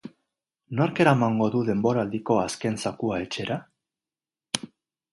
Nork eramango du denboraldiko azken zakua etxera?